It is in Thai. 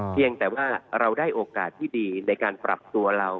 เพียงแต่ว่าเราได้โอกาสที่ดีในการปรับตัวเรา